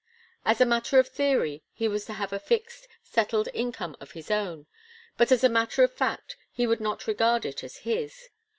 As a matter of theory, he was to have a fixed, settled income of his own; but as a matter of fact, he would not regard it as his.